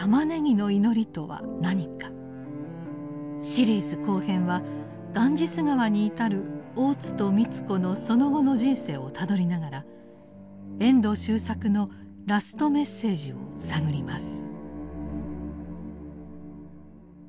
シリーズ後編はガンジス河に至る大津と美津子のその後の人生をたどりながら遠藤周作のラストメッセージを探ります。